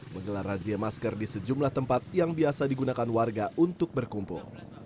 menggelar razia masker di sejumlah tempat yang biasa digunakan warga untuk berkumpul